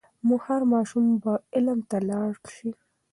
هر ماشوم به علم ته لاړ سي.